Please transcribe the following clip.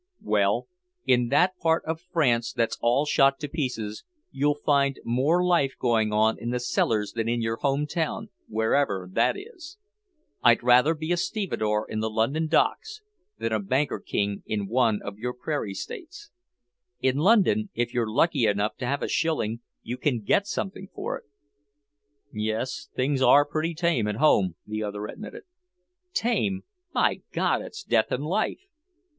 "Well; in that part of France that's all shot to pieces, you'll find more life going on in the cellars than in your home town, wherever that is. I'd rather be a stevedore in the London docks than a banker king in one of your prairie States. In London, if you're lucky enough to have a shilling, you can get something for it." "Yes, things are pretty tame at home," the other admitted. "Tame? My God, it's death in life!